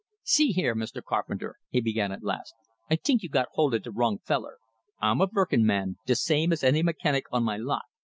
"See here, Mr. Carpenter," he began at last, "I tink you got hold o' de wrong feller. I'm a verkin' man, de same as any mechanic on my lot.